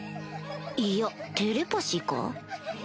いやテレパシーか？